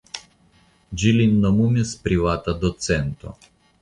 Ĝi lin nomumis privata docento.